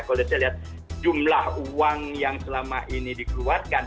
kalau saya lihat jumlah uang yang selama ini dikeluarkan